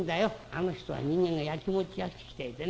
あの人は人間がやきもちやきしていてね